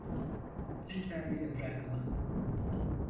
Lütfen beni bırakma.